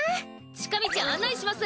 近道案内します。